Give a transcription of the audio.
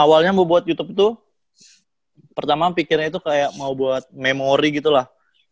awalnya mau buat youtube tuh pertama pikirnya itu kayak mau buat memori gitu lah